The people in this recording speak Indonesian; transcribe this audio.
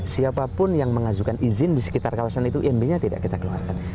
siapapun yang mengajukan izin di sekitar kawasan itu imb nya tidak kita keluarkan